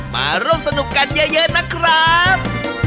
มาร่วมสนุกกันเยอะนะครับ